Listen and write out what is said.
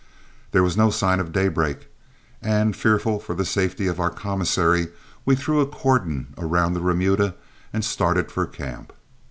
There was no sign of daybreak, and, fearful for the safety of our commissary, we threw a cordon around the remuda and started for camp.